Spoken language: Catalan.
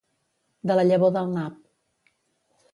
De la llavor del nap.